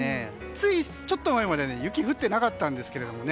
ついちょっと前まで雪降っていなかったんですけどね。